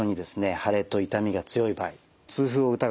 腫れと痛みが強い場合痛風を疑ってですね